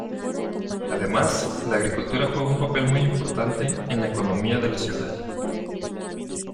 Además la agricultura juega un papel muy importante en la economía de la ciudad.